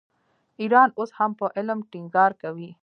ایران اوس هم په علم ټینګار کوي.